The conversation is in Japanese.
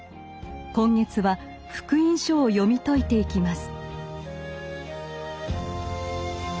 今月は「福音書」を読み解いていきます。